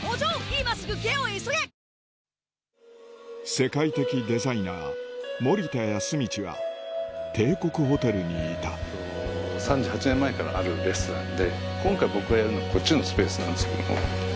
世界的デザイナー森田恭通は帝国ホテルにいた３８年前からあるレストランで今回僕がやるのはこっちのスペースなんですけれども。